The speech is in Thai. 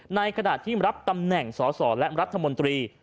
ในขณะที่รับตำแหน่งสอสอและรัฐมนตรี